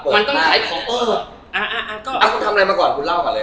มองคำแน่มาก่อนคุณเล่าลาวก่อนเลย